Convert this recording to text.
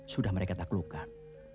sudah mereka tak lukan